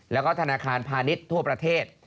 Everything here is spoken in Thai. แล้วก็ธนาคารพาณิชย์ทั่วประเทศ